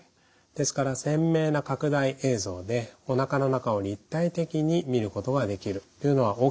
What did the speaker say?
ですから鮮明な拡大映像でおなかの中を立体的に見ることができるというのは大きな強みです。